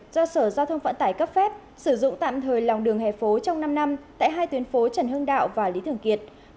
do sở giao thông vận tải cấp phép sử dụng tạm thời lòng đường hè phố trong năm năm tại hai tuyến phố trần hưng đạo và lý thường kiệt